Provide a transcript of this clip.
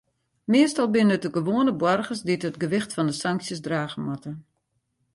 Meastal binne it de gewoane boargers dy't it gewicht fan de sanksjes drage moatte.